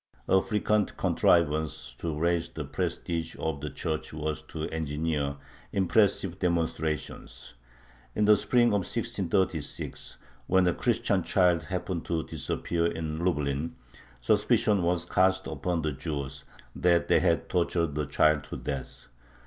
A frequent contrivance to raise the prestige of the Church was to engineer impressive demonstrations. In the spring of 1636, when a Christian child happened to disappear in Lublin, suspicion was cast upon the Jews, that they had tortured the child to death.